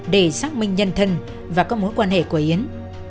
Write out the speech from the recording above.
để xác minh nhân thân và các mối quan hệ của yến